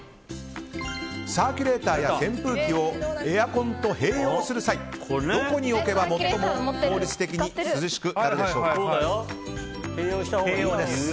サーキュレーターや扇風機をエアコンと併用する際どこに置けば最も効率的に涼しくなるでしょうか？